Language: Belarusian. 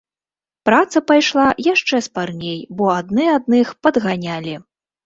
Праца пайшла яшчэ спарней, бо адны адных падганялі.